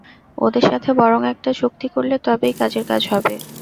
ওদের সাথে বরং একটা চুক্তি করলে তবেই কাজের কাজ হবে।